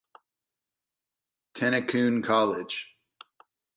Tennakoon College.